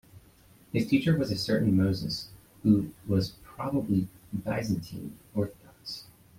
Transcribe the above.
His teacher was a certain Moses, who was probably Byzantine orthodox.